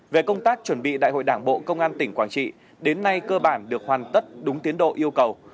về công tác chuẩn bị đại hội đảng bộ công an tỉnh quảng trị đến nay cơ bản được hoàn tất đúng tiến độ yêu cầu